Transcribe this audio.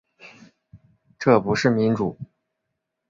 这不是民主